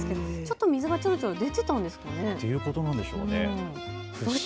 水がちょろちょろ出ていたんですかね。